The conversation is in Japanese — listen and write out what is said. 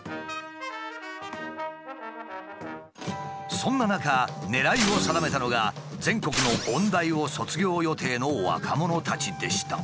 そんな中狙いを定めたのが全国の音大を卒業予定の若者たちでした。